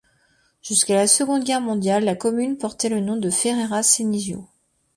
Jusqu'à la Seconde Guerre mondiale, la commune portait le nom de Ferrera Cenisio.